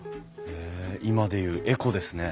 へえ今で言うエコですね。